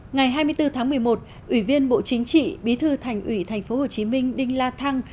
ngày hai mươi bốn tháng một mươi một ủy viên bộ chính trị bí thư thành ủy tp hcm đinh la thăng